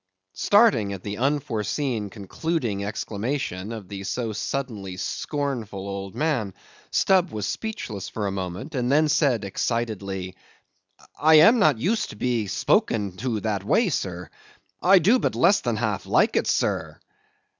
Starting at the unforseen concluding exclamation of the so suddenly scornful old man, Stubb was speechless a moment; then said excitedly, "I am not used to be spoken to that way, sir; I do but less than half like it, sir."